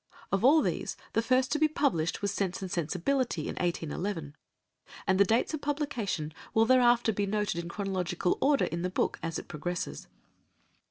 Of all these the first to be published was Sense and Sensibility in 1811, and the dates of publication will thereafter be noted in chronological order in the book as it progresses.